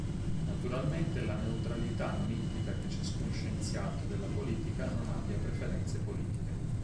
Naturalmente, la neutralità non implica che ciascun scienziato della politica non abbia preferenze politiche.